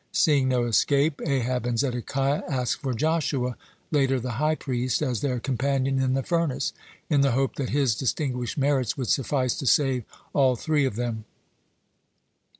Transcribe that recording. Seeing no escape, Ahab and Zedekiah asked for Joshua, later the high priest, as their companion in the furnace, in the hope that his distinguished merits would suffice to save all three of them.